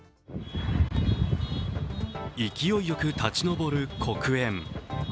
勢いよく立ち上る黒煙。